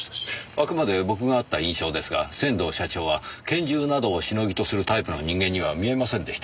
あくまで僕が会った印象ですが仙道社長は拳銃などをシノギとするタイプの人間には見えませんでした。